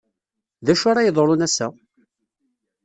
D acu ara yeḍrun ass-a?